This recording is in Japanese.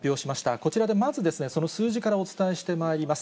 こちらで、まずその数字からお伝えしてまいります。